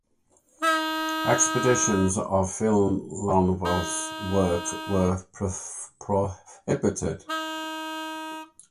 Exhibitions of Filonov's work were forbidden.